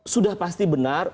sudah pasti benar